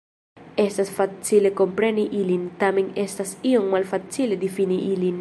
Estas facile kompreni ilin, tamen estas iom malfacile difini ilin.